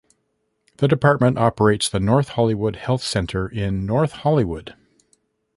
The department operates the North Hollywood Health Center in North Hollywood.